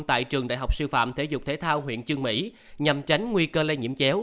tại trường đại học sư phạm thể dục thể thao huyện trương mỹ nhằm tránh nguy cơ lây nhiễm chéo